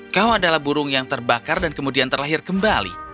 kau adalah burung yang terbakar dan kemudian terlahir kembali